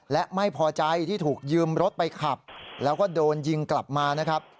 และไม่พอใจที่ถูกยืมรถไปขับแล้วก็โดนยิงกลับมานะครับ